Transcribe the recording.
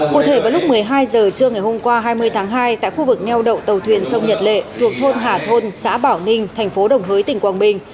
cụ thể vào lúc một mươi hai h trưa ngày hôm qua hai mươi tháng hai tại khu vực neo đậu tàu thuyền sông nhật lệ thuộc thôn hà thôn xã bảo ninh thành phố đồng hới tỉnh quảng bình